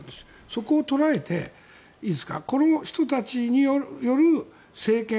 そこを捉えてこの人たちによる政権